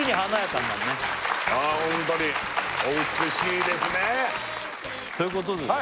あホントにお美しいですねということでですね